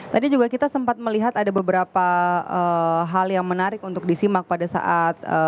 tadi juga kita sempat melihat ada beberapa hal yang menarik untuk disimak pada saat